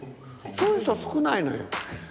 そういう人少ないのよ。